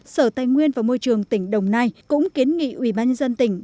sở tài nguyên và môi trường tỉnh đồng nai cũng kiến nghị ủy ban nhân dân tỉnh